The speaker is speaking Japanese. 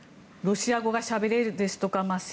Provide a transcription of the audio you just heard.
ロシア語がしゃべれるですとか